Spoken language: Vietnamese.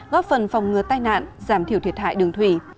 góp phần phòng ngừa tai nạn giảm thiểu thiệt hại đường thủy